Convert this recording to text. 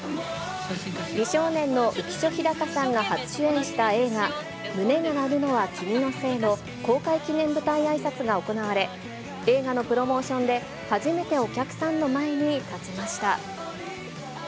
美少年の浮所飛貴さんが初主演した映画、胸が鳴るのは君のせいの公開記念舞台あいさつが行われ、映画のプロモーションで初めてお客さんの前に立ちました。